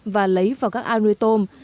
và lấy vào các al nuôi tôm